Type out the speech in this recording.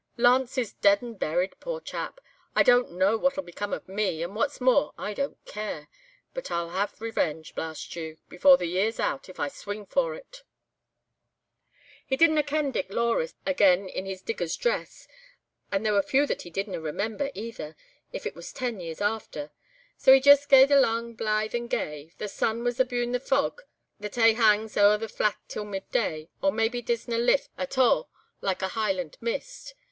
"'Lance is dead and buried, poor chap! I don't know what'll become of me. And what's more I don't care; but I'll have revenge, blast you! before the year's out, if I swing for it!' "He didna ken Dick Lawless again in his digger's dress, and there were few that he didna remember either, if it was ten years after. So he joost gaed alang blithe and gay. The sun was abune the fog that aye hangs o'er the flat till midday, or maybe disna lift at a' like a Highland mist.